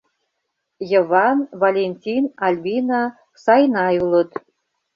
Йыван, Валентин, Альбина, Сайнай улыт.